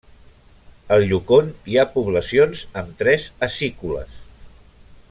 Al Yukon hi ha poblacions amb tres acícules.